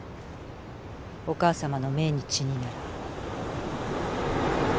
お母さまの命日になら。